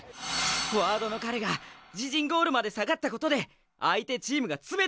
フォワードの彼が自陣ゴールまで下がったことで相手チームが詰めてきた。